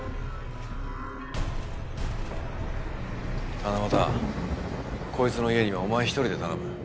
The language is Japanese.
七夕こいつの家にはお前一人で頼む。